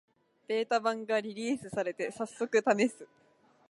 ベータ版がリリースされて、さっそくためす